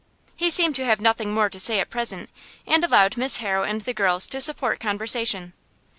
He seemed to have nothing more to say at present, and allowed Miss Harrow and the girls to support conversation.